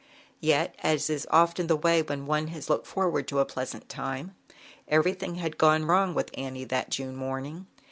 Yet, as is often the way, when one has long looked forward to a pleasant time, everything had gone wrong with Annie that June morning.